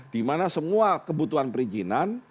di mana semua kebutuhan perizinan